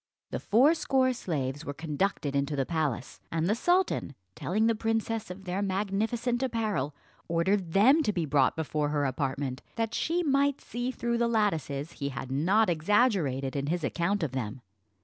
The fourscore slaves were conducted into the palace; and the sultan, telling the princess of their magnificent apparel, ordered them to be brought before her apartment, that she might see through the lattices he had not exaggerated in his account of them.